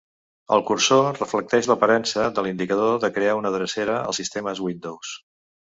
El cursor reflecteix l'aparença de l'indicador de "crear una drecera" als sistemes Windows.